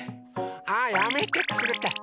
あやめてくすぐったい！